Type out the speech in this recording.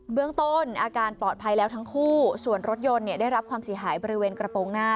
เบื้องต้นอาการปลอดภัยแล้วทั้งคู่ส่วนรถยนต์เนี่ยได้รับความเสียหายบริเวณกระโปรงหน้า